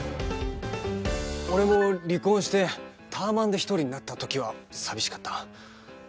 俺も離婚してタワマンで一人になった時は寂しかった。